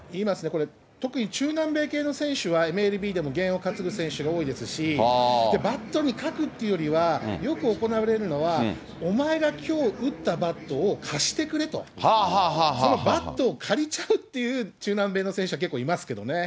これ、特に中南米系の選手はＭＬＢでも験を担ぐ選手が多いですし、バットに書くっていうよりは、よく行われるのは、お前がきょう打ったバットを貸してくれと、そのバットを借りちゃうっていう中南米の選手は結構いますけどね。